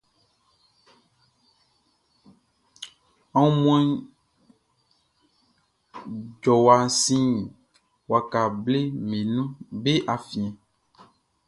Aunmuan jɔwa sin waka bleʼm be afiɛn.